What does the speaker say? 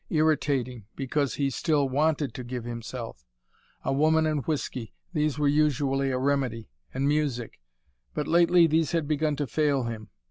Irritating, because he still WANTED to give himself. A woman and whiskey, these were usually a remedy and music. But lately these had begun to fail him.